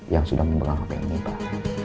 yang sudah membelang hp ini pak